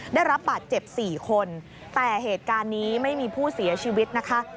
ได้รับบาดเจ็บ๔คนแต่เหตุการณ์นี้ไม่มีผู้เสียชีวิตนะคะ